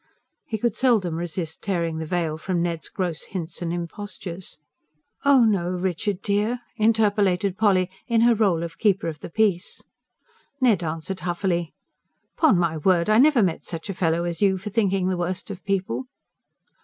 He could seldom resist tearing the veil from Ned's gross hints and impostures. "Oh no, Richard dear!" interpolated Polly, in her role of keeper of the peace. Ned answered huffily: "'Pon my word, I never met such a fellow as you, for thinking the worst of people."